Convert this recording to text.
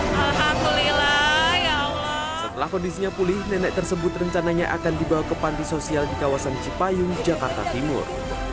alhamdulillah setelah kondisinya pulih nenek tersebut rencananya akan dibawa ke panti sosial di kawasan cipayung jakarta timur